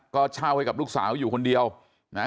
ก็เช่าให้กับลูกสาวอยู่คนเดียวนะ